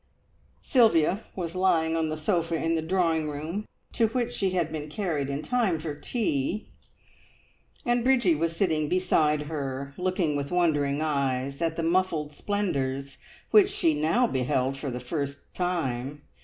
Sylvia was lying on the sofa in the drawing room, to which she had been carried in time for tea, and Bridgie was sitting beside her, looking with wondering eyes at the muffled splendours which she now beheld for the first time.